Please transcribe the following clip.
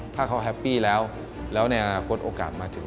ถ้าเขาแฮปปี้แล้วแล้วในอนาคตโอกาสมาถึง